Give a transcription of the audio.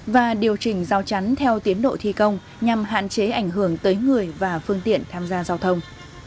và điều chỉnh giao chắn theo tiến độ thi công nhằm hạn chế ảnh hưởng tới người và phương tiện tham gia giao thông